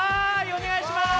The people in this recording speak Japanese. おねがいします！